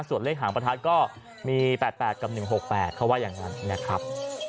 ส่วนเลขหางประทัดก็มี๘๘กับ๑๖๘เขาว่าอย่างนั้นนะครับ